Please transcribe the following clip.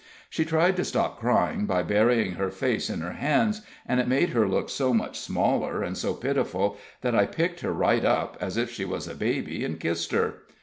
She tried to stop crying by burying her face in her hands, and it made her look so much smaller and so pitiful that I picked her right up, as if she was a baby, and kissed her.